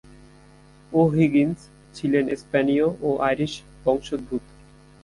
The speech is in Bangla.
ও’হিগিন্স ছিলেন স্প্যানীয় ও আইরিশ বংশদ্ভুত।